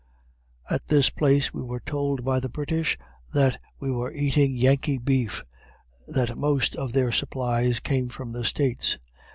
At this place we were told by the British that we were eating Yankee beef that most of their supplies came from the States.